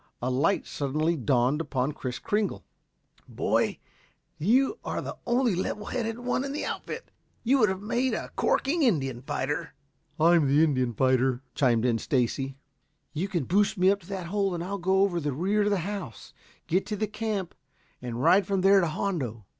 A light suddenly dawned upon Kris Kringle. "Boy, you are the only level headed one in the outfit. You would have made a corking Indian fighter." "I'm the Indian fighter," chimed in Stacy. "You can boost me up to the hole and I'll go over the rear of the house, get to the camp and from there ride to Hondo."